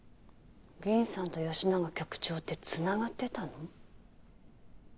銀さんと吉永局長って繋がってたの？